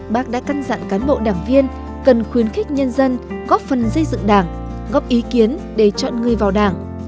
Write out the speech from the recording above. bác đã căn dặn cán bộ đảng viên cần khuyến khích nhân dân góp phần xây dựng đảng góp ý kiến để chọn người vào đảng